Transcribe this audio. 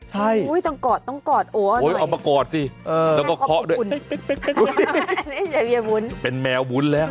ใช่อุ๊ยต้องกอดต้องกอดโอ๊ยเอาหน่อยเอามากอดสิแล้วก็เคาะด้วยเป็นแมวบุ้นแล้ว